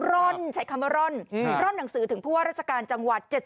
ร่อนใช้คำว่าร่อนร่อนหนังสือถึงผู้ว่าราชการจังหวัด๗๐